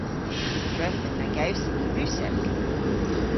Drefen na gewsyn ni Russek.